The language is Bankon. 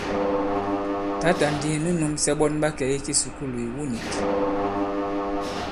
Tǎtà ndi nu nūmsɛ ɓɔn ɓa kɛ̀ i kisùkulù ìwu nīk.